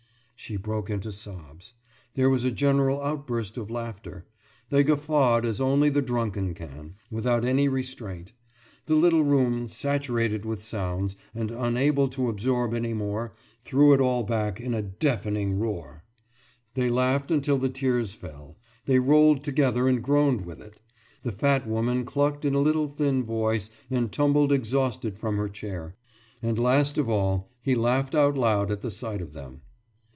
« She broke into sobs. There was a general outburst of laughter. They guffawed as only the drunken can, without any restraint; the little room, saturated with sounds, and unable to absorb any more, threw it all back in a deafening roar. They laughed until the tears fell; they rolled together and groaned with it. The fat woman clucked in a little thin voice and tumbled exhausted from her chair. And, last of all, he laughed out loud at the sight of them.